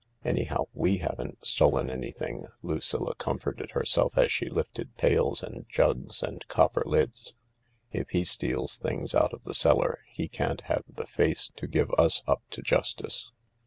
" Anyhow, we haven't stolen anything," Lucilla comforted herself as she lifted pails and jugs and copper lids. " If he steals things out of the cellar he can't have the face to give us up to justice."